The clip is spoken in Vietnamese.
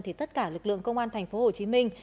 thì tất cả lực lượng công an thành phố hồ chí minh